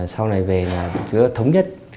sau này về là thống nhất